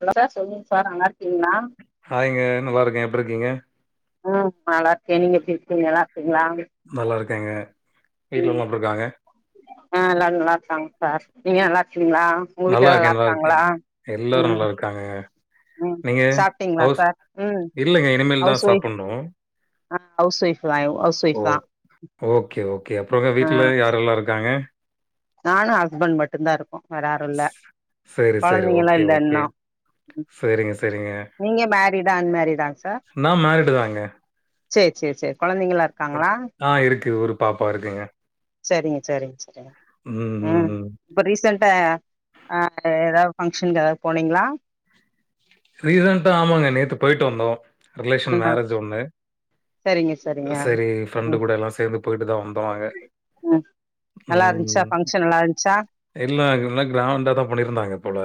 Hello sir சொல்லுங்க sir நல்லா இருக்கீங்களா ஹாய்ங்க நல்லா இருக்கே எப்டிருக்கீங்க ம் நல்லா இருக்கே நீங்க எப்டி இருக்கீங்க நல்லா இருக்கீங்களா நல்லா இருக்கேங்க வீட்ல ம் எல்லா எப்டி இருக்காங்க ஆ எல்லாரு நல்லா இருக்காங்க சார் நீங்க நல்லா இருக்கீங்களா உங்க வீட்டுல நல்லா எல்லா இருக்கேன், நல்லா நல்லாருங்களா இருக்கேங்க. எல்லாரும் ம் நல்லா இருக்காங்கங்க. ம் நீங்க சாப்ட்டிங்களா ஹவுஸ் சார் ம் இல்லங்க. இனிமேல் ஹவுஸ் தான் ஒய்ஃப் சாப்புட்ணும். ஆ ஹவுஸ் ஒய்ஃப் [unintelligible] ஹவுஸ் ஒய்ஃப் ஓ! தா ஓகே ஓகே அப்றோங்க ஆ வீட்டில யாரெல்லா இருக்காங்க நானு ஹஸ்பண்ட் மட்டு தா இருக்கோ வேற யாரு இல்ல ஸ் கொழந்தைங்கல்லா இல்ல இன்னு சேரிங்க சேரிங்க நீங்க மேரிடா அன்மரிடா சார் நான் மேரிடு தாங்க. சேரி சேரி சேரி கொழந்தைங்கல்லா இரு ஆ இருக்கு ஒரு பாப்பா இருக்குங்க சேரிங்க சேரிங்க சேரிங்க ம் இப்ப ரீசண்ட்டா ஆ ஏதாவ் ஃபங்க்ஷனுக்கு ஏதாவ்து போனீங்களா ரீசன்டா ஆமாங்க நேத்து போய்ட்டு வந்தோ ரிலேஷன் ஆ மேரேஜ்ஜி ஒண்ணு சரிங்க சரிங்க சரி ஃப்ரெண்டு ம் கூட எல்லா சேந்து போய்ட்டு தா வந்தோ நாங்க ம் நல்லா இருந்துச்சா ஃபங்க்ஷன் நல்லா இருந்துச்சா இல்ல [inaudible] நல்லா கிராண்டா தா பண்ணியிருந்தாங்க இத்போல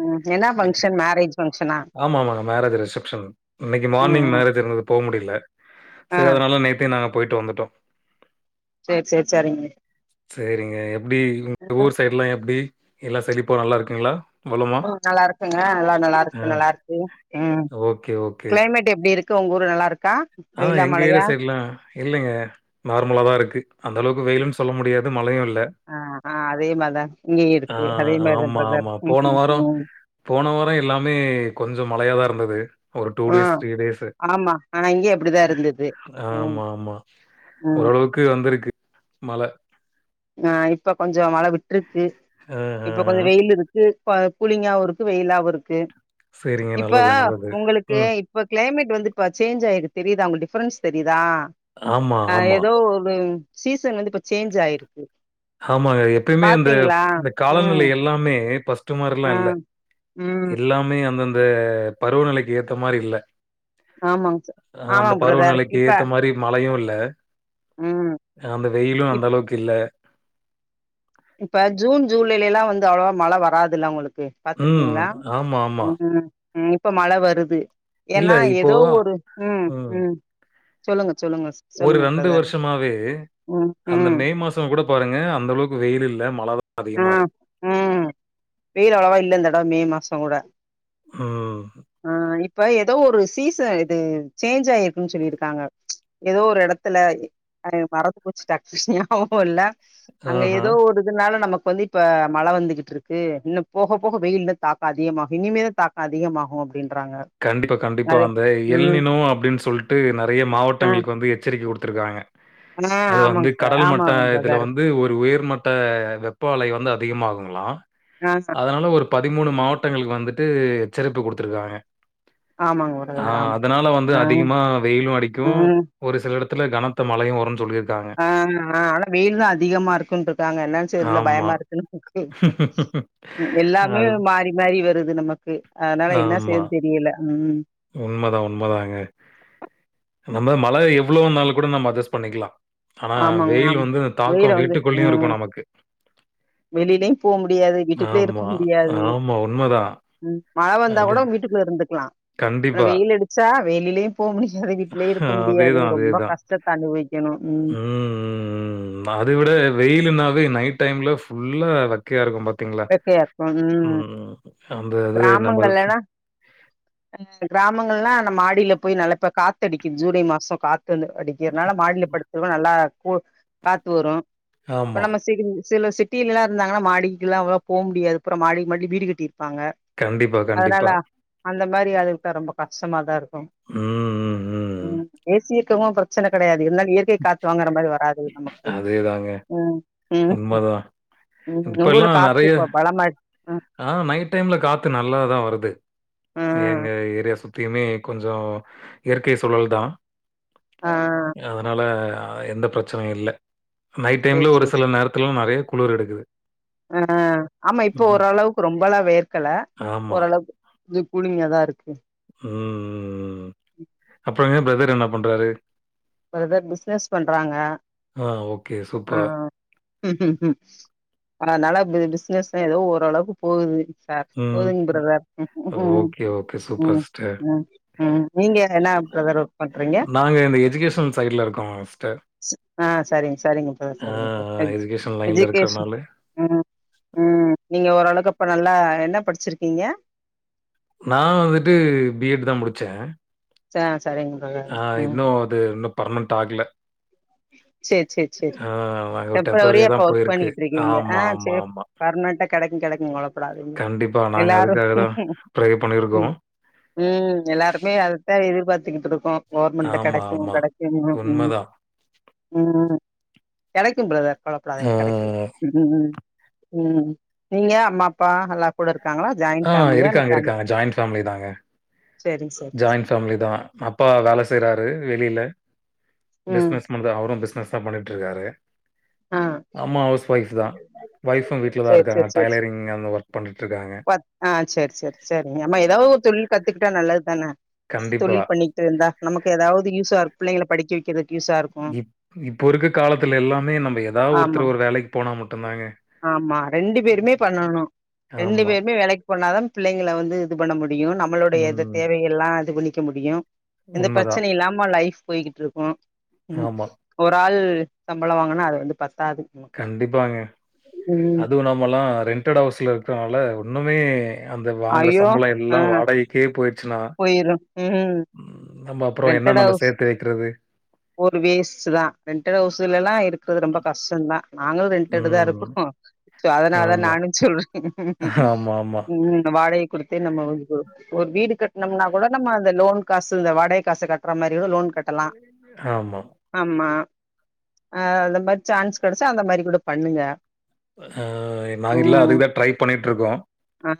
ம் என்னா பங்க்ஷன் மேரேஜ் ஃபங்க்ஷனா ஆமா ஆமாங்க மேரேஜ் ரிசப்ஷன் இன்னைக்கி ம் மார்னிங் ம் மேரேஜ் இருந்தது போக முடியல ஆ சேரி அதனால நேத்தே நாங்க போயிட்டு வந்துட்டோ சேரி சேரி சேரிங்க சேரிங்க எப்டி உங்க ஊர் சைடு் எல்லா எப்டி எல்லா செழிப்ப நல்லா இருக்கிங்ளா ம் நல்லா இருக்குங்க எல்லா நல்லா ஆ. இருக்கு நல்லா இருக்கு ம் ஓகே, ஓகே. க்ளைமேட் எப்டி இருக்கு உங்க ஊர் நல்லா இருக்கா ஆ வெயிலா எங்க ஏரியா மழையா சைடுலாம் இல்லைங்க நார்மலா தா இருக்குது அந்த அளவுக்கு வெயிலுன் சொல்ல முடியாது மழையு இல்ல ஆ ஆ அதே மாரிதா இங்கயு ஆ இருக்கு அதே மாரிதா ஆமா, பிரதர் ஆமா. ம் போன ம் வாரம் ம் போன வாரோ எல்லாமே கொஞ்சோ மழையா தா இருந்தது ஒரு two ah days three days ஆமா ஆனா இங்க ஆமா ஆமா ம் ஓரளவுக்கு வந்திருக்கு மழை ஆ இப்ப கொஞ்சம் மழ விட்டிருக்கு ஆ ஆ கொஞ்சோ வெயில் இருக்கு இப்ப கூலிங்காவு இருக்கு வெயிலாவு இருக்கு சரிங்க. இப்ப நல்லது, நல்லது. உங்களுக்கு ம். இப் இப்ப கிளைமேட் வந்து இப்ப ஆயிருக்கு தெரியுதா டிஃப்ரன்ஸ் தெரிதா ஆமா, ஆ ஆமா. ஏதோ ஒரு சீசன் வந்து இப்ப சேஞ்ச் ஆயிருக்கு ஆமாங்க எப் எப்பயுமே அந்த பாத்தீங்களா? இந்த காலநிலை ம், எல்லாமே ஃபஸ்ட் மாரில்லா ஆ, இல்ல ம். எல்லாமே அந்தந்த பருவநிலைக்கு ஏத்த மாரி இல்ல ஆமாங்க ச அந்த ஆமாங்க பிரதர். பருவநிலைக்கு இப்ப ஏத்த மாரி மழையு இல்ல ம் அந்த வெயிலு இப் அந்தளவுக்கு இல்ல இப்ப ஜூன் ஜூலைல எல்லா வந்து அவ்ளவா மழ வராதுல்ல உங்களுக்கு ம். பாத்திருக்கீங்ளா ஆமா, ஆமா. ம் ம் இப்ப மழ வருது இல்ல ஏன்னா இப்போ ஏதோ ஒரு ம் ம் சொல்லுங்க சொல்லுங்க செ ஒரு ரெண்டு வருஷமாவே அந்த ம். மே மாச சோ கூட பாருங்க அந்த அளவுக்கு வெயில் இல்ல மழ தா ஆ, அதிகமா இருக்கு ம் வெயில் அவ்வளவா இல்ல இந் தடாவ மே மாசோ கூட ம். ஆ இப் இப்ப ஏதோ ஒரு சீசன் இது சேஞ்ச் ஆயிருக்குன்னு சொல்லிருக்காங்க ஏதோ ஒரு எடத்துல அ எனக் மறந்து போச்சி டாக்குனு ஞாபகோ இல்ல அங்க ஆஹ. எது இருக்கருதுனால நமக்கு வந்து இப்ப மழ வந்துகிட்டு இருக்கு இன்னு போக போக வெயில் தாக்கோ அதிகமாகு இனிமே தாக் அதிகமாகு அப்டின்றாங்க கண்டிப்பா கண்டிப்பா அது அந்த ம் எல்நினு அப்டின் சொல்லிட்டு நெறைய ஆ மாவட்டங்களுக்கு வந்து எச்சரிக்க குடுத்துருக்காங்க ஆ அது வந்து ஆமாங்க சார் கடல் மட்ட ஆமாங்க இதுல பிரதர் வந்து ஒரு உயர்மட்ட ட்ட வெப்ப அலை வந்து அதிகமாகுங்லி ஆ அதனால ஒரு பதிமூணு மாவட்டங்களுக்கு வந்துட்டு எச்சரிப்பு குடுத்துருக்காங்க ஆமாங்கோ ஆ அதனால வந்து அதிகமா வெயிலு அடிக்கு ம் ஒரு சில எடத்துல கனத்த மழையு வருன்னு சொல்லிருக் ஆமா ஆனா வெயில் தா அதிகமா இருக்குன் இருக்காங்க என்ன செய்றதுன்னு தொர்ல ஆமா. பயமா இருக்குன்னு எல்லாமே அது மாறி மாறி வருது நமக்கு அதனால என்ன செய்றதுன்னு தெரியில ம் உண்மைதா உண்மதாங்க இந்த மாரி மழ எவ்ளோ வந்தாலு கூட நம்ம அட்ஜஸ்ட் பண்ணிக்கலா ஆனா ஆமாங்க வொயில் ஆமா வந்து தாக்கோ வெயில வந்து வீட்டுக்குள்ளயு ம் இருக்கு நமக்கு வெளிலயு போ முடியாது வீட்டுக்குள்ளயே இருக்க ஆமா முடியாது ஆமா உண்மைதா ம் மழ வந்தா கூட வீட்டுக்குள்ள இருந்துக்கிலா கண்டிப்பா சா வெளிலயும் போக முடியாது வீட்லயும் இருக்க முடியாது அதேதான், ரொம்ப அதேதான். கஷ்டத்த அனுபவிக்கணும் ம் நா அத விட வெயிலுனாவே நைட் டைம்ல ஃபுல்லா வெ க்கையா இருக்கும் பாத்தீங்களா வெக்கையா இருக்கு ம் ம் அந்த இது நம கிராமங்கள்லனா கிராமங்கள்லா நம் மாடியில போய் நல்ல போ காத்த அடிக்கும் ஜூலை மாசம் காத் வந்து அடிக்கிறதுனால மாடியில படுத்துருவன் நல்லா கூல் காத்து வரும் இப்ப ஆமா. நம்ம ச சில சிட்டில இருந்தாங்கன்னா மாடி ல்லாம் போக முடியாது அப்றோ மாடி மாடி வீடு கட்டிருப்பாங்க கண்டிப்பா, அதனால கண்டிப்பா. அந்த மாரி அதுவிட்ட ரொம்ப கஷ்டமாதா இருக்கும் ம் ம். ஏசி இருக்கவங்க பிரச்சனை கிடையாது என்னாலு இய ற்கை காத்து வாங்குற மாரி வராது நமக்கு அதேதாங்க. ம் ம் உண்மதான். ம் உங்க ஊர்ல இப்பல்லாம் காத்து நெறைய இப்ப பலமா ம் ஆ நைட் டைம்ல காத்து நல்லாதா வருது ம் எங்க ஏரியா சு த்தியுமே கொஞ்சோ இயற்கை சூழல் தா ஆ அதனால எந்த பிரச்சனையும் இல்ல நைட் சேரி டைம்ல ஒரு சேரி சில சேரி நேரத்துலா நறைய குளிர் எடுக்குது ஆ ஆமா இப்ப ம். ஓரளவுக்கு ரொம்பல்லா வேர்க்கல ஆமா. ஓரளவு க்கு கூலிங்கா தா இருக்கு ம் ம் ம் அப்றோங்க பிரதர் என்ன பண்றாரு பிரதர் பிஸ்னஸ் பண்ணுறாங்க ஆ ஓகே. சூப்பர். ஆ ம் ம் ம் அதனால பிசினஸ் ஏதோ ஓரளவுக்கு போகுது சார் ம். போதுங் பிரதர் ஓகே, ஓகே. சூப்பர் ம் சிஸ்டர். ம் ம் நீங்க என்னா பிரதர் ஒர்க் பண்றீங்க நாங்க இந்த எஜுகேஷ்னல் சைடுல இருக்கோ சிஸ்டர் ஆ சரிங்க சரிங்கப்பா ஆ சரிங்கப்பா எஜ் எஜுகேஷன் லைன்ல எஜுகேஷ் இருக்கிறனால. ம் ம் நீங்க ஓரளவுக்கு அப்ப நல்லா என்ன படிச்சிருக்கீங்க நா வந்துட்டு பி எட் தா முடிச்சேன் ச சரிங்க ஆ தோழர் ம் இன்னும் அது இன்னும் பர்மென்ட் ஆகல செரி செரி செரி ஆ நாங்க ஒரு டெம்பரரியா இப்போ தான் ஒர்க் போயிருக்கு. பண்ணிட்டு இருக்கீங்க அ ஆமா, ஆமா, ஆமா. பர்மனெண்டா கடைக்கும் கடைக்கும் கவலப்படாதீங்க கண்டிப்பா. நாங்க எல்லாரும் அதுக்காக தான் ப்ரே பண்ணியிருக்கோம். ம் எல்லாருமே அததா எதிர்பாத்துட்டு இருக்கோம் கவர்மெண்ட்ல ஆமா, கடைக்கும் ஆமா. கடைக்கும் ம் உண்மதான். ம் கடைக்கும் பிரதர் ஆ, கவலப்படாதீங்க கடைக்கும் ம் ம் ம் நீங்க அம்மா அப்பா எல்லா கூட இருக்காங்களா ஜாயிண்ட் ஆ இருக்காங்க இருக்காங்க ஜாயிண்ட் ஃபேமிலி தாங்க செரி சார் ஜாயிண்ட் ஃபேமிலி தா அப்பா வேல செய்றாரு வெளில ம் பிஸ்னஸ் பண்றாரு அவரும் பிஸ்னஸ் [unintelligible] பண்ணிட்டு இருக்காரு ஆ அம்மா ஹவுஸ் ஒய்ஃப் தா ஒய்ஃபும் வீட்ல தா இருக்காங்க டைலரிங் அந்த ஒர் பண்ணிட்டு இருக்காங்க செரி செரி செரி ஆம்மா ஏதாது ஒரு தொழில் கத்துக்கிட்டா நல்லது தானே ஏதாது கண்டிப்பா. தொழில் பண்ணி திருந்தா நமக்கு எதாவது யூஸா இருக் பிள்ளைங்கள படிக்க வைக்கிறது இப் இப்போ இருக்க காலத்துல எல்லாமே நம்ப எதாவ் ஆமா ஒருத்தர் ஒரு வேலைக்கு போனா மட்டுந்தாங்க ஆமா ரெண்டு பேருமே பண்ணணு ரெண்டு ஆமா. பேருமே வேலைக்கு போனாதா பிள்ளைங்கள வந்து இது பண்ண முடியு நம்மளுடைய இது ம். தேவைக ள்லா இது கபண்ணிக்க முடியு எந்த உண்மதான். ப்ரெச்சனயு இல்லாம லைஃப் போயக்கிட்ருக் ம் ஆமா. ஒரு ஆள் சம்பளோ வாங்குனா அது வந்து பத்தாது கண்டிப்பாங்க ம் அதுவு‌ நம்மல்லா ரென்டட் ஹவுஸ்ல இருக்றவனால ஒண்ணுமே அந்த வாங்குற ஐயோ சம்பளோ ஆ எல்லா வாடகைக்கே போய்ட்ச்சுன்னா போயிரு ம் ம் நம்ம அப்புறோ என்ன ரெண்டட் நம்ம ஹவுஸ் சேத்து வெக்கிறது ஒரு வேஸ்ட்டுதா ரெண்டடட் ஹவுஸுலெல்லா இருக்குறது ரொம்ப கஷ்டந்தா நாங்களு ரென்டடுதா ம். இருக்கிறோ சோ அதனால்தா ஆமா. நானு சொல்றே ஆமாமா. ம் நம் வாடகை குடுத்து நம்ம ஒரு ஒரு வீடு கட்டணம்னா கூட நம்ம அந்த லோன் காசு இந்த வாடகை காச கட் ற மாரி கூட லோன் கட்டலா ஆமா. ஆமா. ஆமா அ அந்த மாரி சான்ஸ் கெடச்சா அந்த மாரி கூட பண்ணுங்க அ நாங்கில்ல ம் அதுக்குதா ட்ரை பண்ணிட்ருக்கோ ஆ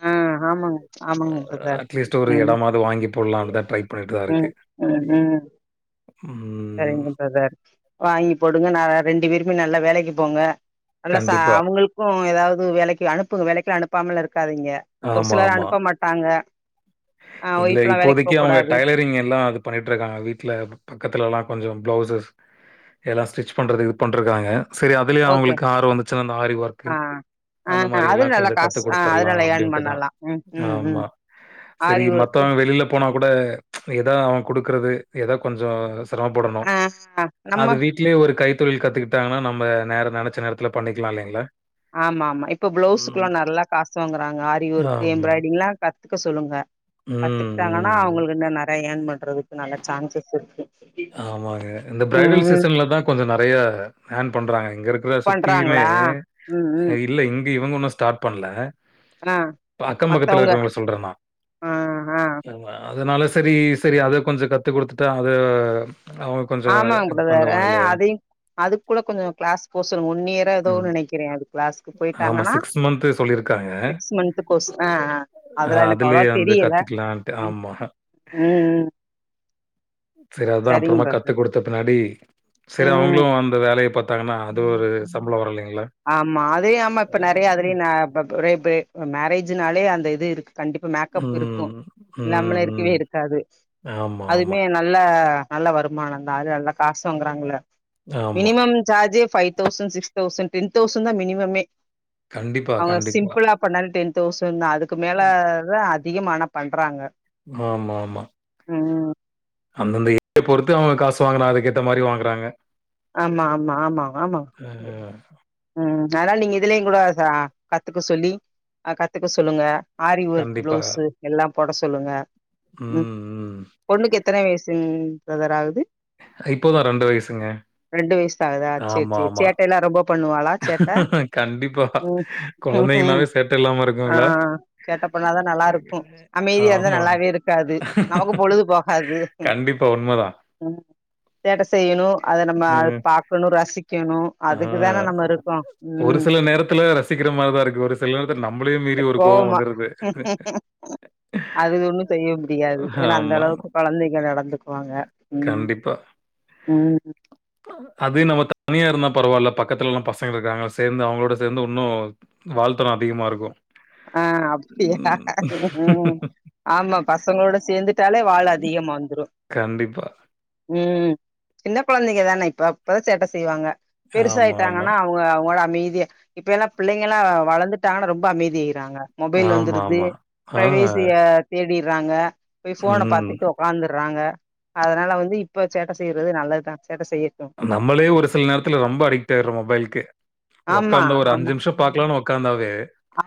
ஆமாங்க ஆமாங்க பிரதர் அட்லீஸ்ட் ஒரு ம் எடமாவ்து வாங்கி போடலானுதா ட்ரை பண்ணிட்டுதா இருக்கு அ அ ம் சரிங்க ப்ரெதர் வாங்கி போடுங்க நல்ல ரெண்டு பேருமே நல்லா வேலைக்கு போங்க நல்லா ச கண்டிப்பா. அவுங்களுக்கு எதாவ்து வேலைக்கு அனுப்புங்க வேலைக்குலா அனுப்பாமலா இருக்காதீங்க ஒரு ஆமா, சிலர் ஆமா. அனுப்ப மாட்டாங்க ஆ இல்ல ஒய்ஃப்லா வேலைக்கு இப்போதைக்கு போக அவுங்க கூடாது டைலரிங் எல்லா அது பண்ணிட்ருக்காங்க வீட்ல பக்கத்துல எல்லா கொஞ்சம் ப்ளவ்சஸ் எல்லா ஸ்டிச் பண்றது இது பண்ட்ருக்காங்க செரி அதுலியே ஓகே அவுங்களுக்கு ஆர்வோ வந்துச்சுன்னா அந்த ஆரி ஒர்க்கு ஆ ஆ அந்த மாரி அது எல்லா நல்லா கொஞ்சோ கத்து காசு ஆ அது குடுத்தர்லா நல்லா ஏர்ன் அப்டின்ட்டுதா பண்ணலா ம் ம் ம் ஆமா செரி ஆரி ஒர்க்கு மத்தவங் வெளில போனாகூட எதா அவுங் குடுக்குறது எதா கொஞ்சோ சிரமப்படனு ஆ நம்ம அது வீட் ட்லே ஒரு கைத்தொழில் கத்துக்கிட்டாங்னா நம்ம நேர நெனச்ச நேரத்துல பண்ணிக்கிலா இல்லைங்ளா ஆமா ஆமா இப்ப ப்ளவுஸுக்குல்லா நல்ல காசு வாங்குறாங்க ஆரி ஒர்க்கு ஆமா. எம்ப்ராய்டிங்லா கத்துக்க சொல்லுங்க ம், கத்துக்கிட்டாங்கனா ம். அவுங்களுக்கு இன்னு நெறைய யேன் பண்ணுறதுக்கு நல்ல சான்சஸ் இருக்கு ஆமாங்க இந்த ப்ரைடல் ம் சீசன்லதா கொஞ்சோ நறைய யேன் பண்றாங்க இங்க இருக் குற சுத்தியிமே பண்றாங்களா ம் ம் இல்ல இங்க இவங்க உன்னு ஸ்டாட் பண்ல ஆ அக்கம் பக்கத்துல மத்தவங்க இருக்றவங்ள சொல்றே நா ஆ ஆ ஆமா அதனால செரி செரி அத கொஞ்ச கத்து குடுத்துட்டா அத அவுங் ஆமாங் ப்ரெதர் ஆ அதயு அதுக் கூடோ கொஞ்சோ க்ளாஸ் போ சொல்லுங்க ஒன்னியரோ ம். எதோன் நெனைக்கிறே அது க்ளாஸ்க்கு ஆமா போய்ட்டாங்கனா மந்த் சொல்லியிருக்காங்க. சிக்ஸ் மந்து கோஸ் ஆ அ அ அதுல எனக் அவ்ளோவா அதுலயே வந்து தெரியல கத்துக்கலான்ட்டு. ம் ஆமா. ம் ம் செரி அதா சரிங்க அப்றமா கத்து பிரதர் குடுத்த பின்னாடி செரி அவுங்ளு ம் அந்த வேலய பாத் தாங்கனா அது ஒரு சம்ப்ளோ வரோ இல்லைங்களா ஆமா அதே ஆமா இப்ப நெறய அதுலே ந ப ப ரே பே மேரேஜுனாலே அந்த இது இருக் கண்டிப்பா மேக்கப் இருக்கு ம், இல்லாமலா ம், ம். இருக்கவே இருக்காது ஆமா, ஆமா. அதுமே நல்ல நல்ல வருமானந்தா அது அதுல காசு வாங்குறாங்கல்ல ஆமா. மினிமம் சார்ஜே five thousand six thousand ten thousand தா மினிமமே கண்டிப்பா, அவுங்க கண்டிப்பா. சிம்புளா பண்ணால் டென் தௌசண் தா அதுக்கு மேலதா அத் திகமானா பண்றாங்க மா மா மா ம் அந்தந்த ஏ பொறுத்து அவ்ங்க காசு வாங்குனா அதுகேத்த மாரி வாங்குறாங்க ஆமா ஆமா ஆமா ஆமா அ ம் அதனால நீங்க இதுலய் கூட ச ஆ கத்துக்க சொல்லி ஆ கத்துக்க சொல்லுங்க ஆரி ஒர்க் கண்டிப்பா. பிளவுஸு எல்லா போட சொல்லுங்க ம் ம் பொண்ணுக்கு எத்தன வயசுங் ப்ரதர் ஆகுது இப்போ தா ரெண்டு வயசுங்க ரெண்டு வய்ஸ் தா ஆகுதா செர் ஆமா, செர் ஆமா. சேட்டைலா ரொம்ப பண்ணுவாள் சேட்ட கண்டிப்பா. ம் குழந்தைங்கனாவே சேட்ட இல்லாம ஆ இருக்குங்களா? சேட்ட பண்ணாதா நல்லாருக்கு அமைதியா இருந்தா ஆமா. நல்லாவேருக்காது நமக்கு பொழுது போகாது கண்டிபா உண்மதா ம் சேட்ட செய்யணு அத நம்ம ம். பாக்கணு ரசிக்கணு ஆ அதுக்குதானே நம்ம இரு ஒரு சில நேரத்துல ரசிக்ற மார்தாருக்கு ஒரு சிலது நம்பளையு மீறி ஒரு கோவோ கோவமா வந்துருது அதுது ஒன்னு செய்ய முடியாது ஏன்னா அந்தளவுக்கு ஆமாமா. கொழந்தைங்க நடந்துக்வாங்க ம் கண்டிப்பா. ம் அது நம்ம தனியாருந்தா பரவால்ல பக்கத்லலா பச ங்ளு இருக்காங்க சேந் அவங்ளோட சேந்து உன்னு வால்த்தனோ அதிகமா இருக்கு ஆ அப்டியா ம் ஆமா பசங்ளோட சேந்துட்டாலே வால் அதிகமா வந்ரு கண்டிப்பா ம் சின்ன கொழந்தைங்க தானே இப்ப இப்பதா சேட்ட செய்வாங்க ஆமா, ஆமா. பெருசாய்ட்டாங்கன்னா அவ்ங்க அவ்ங்களா அமைதிய இப்பயெல்லா பிள்ளைங்கல்லா வளந்துட்டாங்னா ரொம்ப அமைதி டாங்க மொபைல் ஆமா, வந்துருது ஆமா. ஆ. ப்ரைவேசிய தேடிர்றாங்க போய் ஃபோன ம். பாத்துட் ஒக் காந்துர்றாங்க அத்னால வந்து இப்ப சேட்ட செய்றது நல்லதா சேட்ட செய்ய நம்மளே ஒரு சில நேரத்துல ரொம்ப அடிக்ட் ஆய்றோ மொபைல்க்கு ஆமா ஒக்காந்த ஒரு அஞ்சு ஆமா நிம்ஷ பாக்லான் ஒகாந்தாவே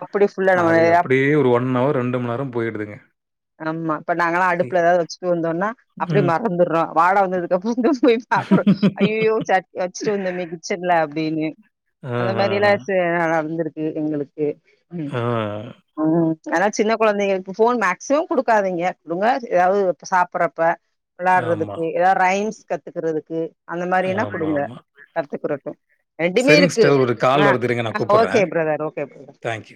அப்டி ஃபுல்லா நம்ம அது அப்டியே ஒரு ஒன் அவர் ரெண்டு மண் நேர போய்டுதுங்க அம்மா இப்ப நாங்களா அடுப்ல எதாவ் வச்சுட்டு வந்தோன்னா அப்டே ம். மறந்துர்றோ வாட வந்ததுக்கப்ப தா போய் பாக்றோ ஐயோயோ சட் வச்ட்டு வந்தோமே கிச்சன்ல அப்டின்னு அந்த ஆஹஹ. மாரிலா சு ந நடந்துருக்கு எங்களுக்கு ம் ஆ. ம் ஆனா சின்ன கொழந்தைங்களு ஃபோன் மேக்சிமம் குடுக்காதீங்க குடுங்க எதாவ்து சாப்புட்றப்ப ஆமா, வ்ளாட்றதுக்கு எதா ரைம்ஸ் கத்துக்றதுக்கு அந்த மாரினா குடுங்க ஆமாமா. கத்துக்றக்கு ரெண்டுமே சரிங்க இருக்கு சிஸ்டர். ஒரு கால் ஆ வருது இருங்க நான் ஆ கூப்பிடுறேன். Okay brother okay brother thank you.